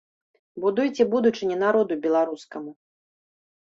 Будуйце будучыню народу беларускаму.